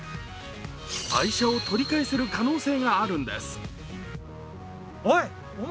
愛車を取り返せる可能性があるのです。